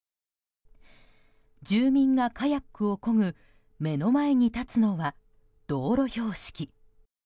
住民がカヤックをこぐ目の前に立つのは、道路標識。